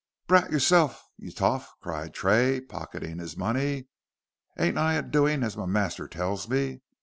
"Brat yourself y' toff," cried Tray, pocketing his money. "Ain't I a doin' as my master tells me?